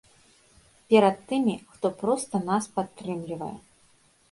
Перад тымі, хто проста нас падтрымлівае.